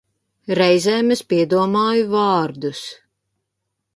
Reizēm es piedomāju vārdus.